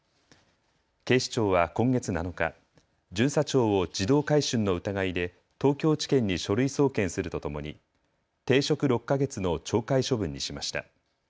警視庁は今月７日、巡査長を児童買春の疑いで東京地検に書類送検するとともに停職６か月の懲戒処分にしました。